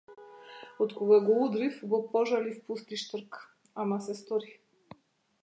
Откога го удрив, го пожалив пусти штрк, ама се стори.